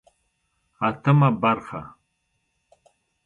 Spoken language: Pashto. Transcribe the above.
اتمه برخه